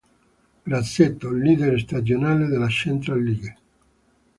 Grassetto: leader stagionale della Central League